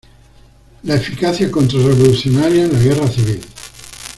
La eficacia contrarrevolucionaria en la Guerra Civil".